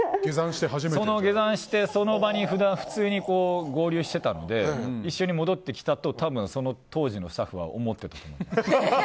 下山してその場に普通に合流してたので一緒に戻ってきたと当時のスタッフは思っていたと思います。